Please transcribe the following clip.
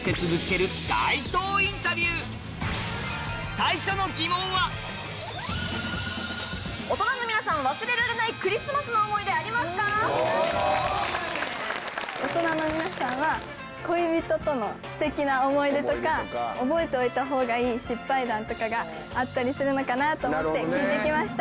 最初の疑問はオトナの皆さんは恋人とのステキな思い出とか覚えておいたほうがいい失敗談とかがあったりするのかなと思って聞いて来ました。